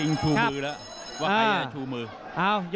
โดนท่องมีอาการ